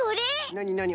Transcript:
なになに？